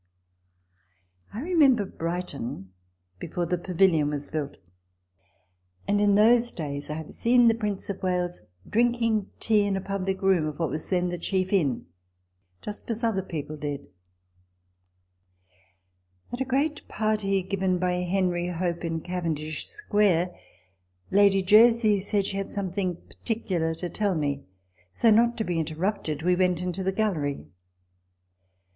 I remember Brighton before the Pavilion was built ; and in those days I have seen the Prince of Wales drinking tea in a public room of what was then the chief inn, just as other people did. 2o6 RECOLLECTIONS OF THE At a great party given by Henry Hope in Caven dish Square, Lady Jersey* said she had something particular to tell me ; so, not to be interrupted, we went into the gallery.